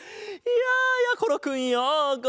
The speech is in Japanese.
いややころくんようこそ！